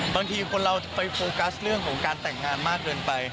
บางทีคนเราไปโฟกัสเรื่องของการแต่งงานมากเกินไป